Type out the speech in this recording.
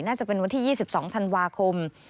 น่าจะเป็นวันที่๒๒ธันวาคม